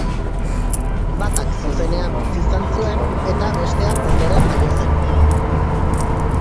Batak zuzenean bizi izan zuen eta bestea ondoren jaio zen.